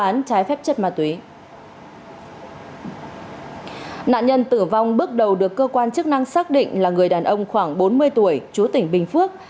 nạn nhân tử vong bước đầu được cơ quan chức năng xác định là người đàn ông khoảng bốn mươi tuổi chú tỉnh bình phước